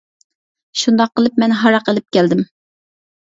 شۇنداق قىلىپ مەن ھاراق ئېلىپ كەلدىم.